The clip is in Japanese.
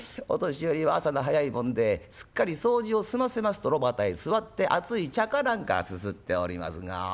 お年寄りは朝の早いもんですっかり掃除を済ませますと炉端へ座って熱い茶かなんかすすっておりますが。